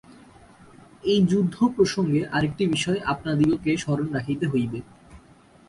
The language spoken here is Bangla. এই যুদ্ধপ্রসঙ্গে আর একটি বিষয় আপনাদিগকে স্মরণ রাখিতে হইবে।